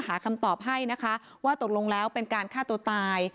หาคำตอบให้นะคะว่าตกลงแล้วเป็นการฆ่าตัวตาย